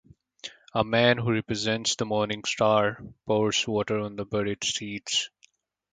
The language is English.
A man who represents the morning star pours water on the buried seeds.